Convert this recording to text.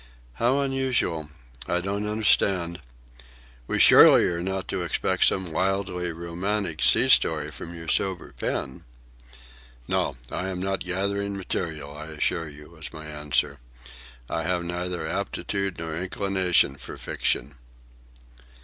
"How unusual! I don't understand. We surely are not to expect some wildly romantic sea story from your sober pen." "No, I am not gathering material, I assure you," was my answer. "I have neither aptitude nor inclination for fiction."